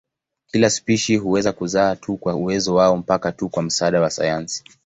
Kila spishi huweza kuzaa tu kwa uwezo wao mpaka tu kwa msaada wa sayansi.